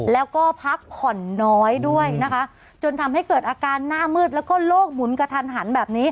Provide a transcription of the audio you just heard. แล้วก็พักผ่อนน้อยด้วยนะคะจนทำให้เกิดอาการหน้ามืดแล้วก็โลกหมุนกระทันหันแบบนี้